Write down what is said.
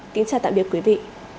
xin chào tạm biệt quý vị